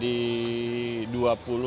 bisa turun sampai ya